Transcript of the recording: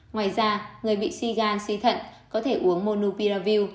ngoài ra người bị si gan si thận có thể uống monupiravir